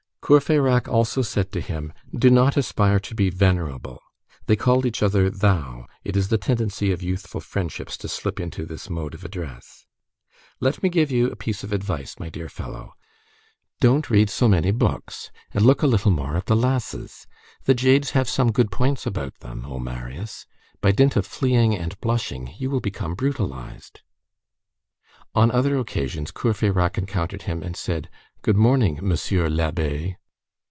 Courfeyrac also said to him: "Do not aspire to be venerable" [they called each other thou; it is the tendency of youthful friendships to slip into this mode of address]. "Let me give you a piece of advice, my dear fellow. Don't read so many books, and look a little more at the lasses. The jades have some good points about them, O Marius! By dint of fleeing and blushing, you will become brutalized." On other occasions, Courfeyrac encountered him and said:—"Good morning, Monsieur l'Abbé!"